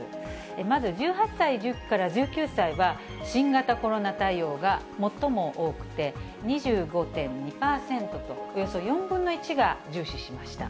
まず１８歳、１９歳は、新型コロナ対応が最も多くて、２５．２％と、およそ４分の１が重視しました。